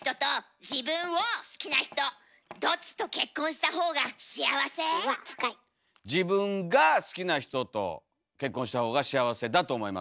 好きな人と結婚した方が幸せだと思いますけども。